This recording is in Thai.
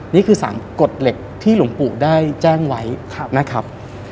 นี่คือ๓กฎเหล็กที่หลวงปู่ได้แจ้งไว้นะครับ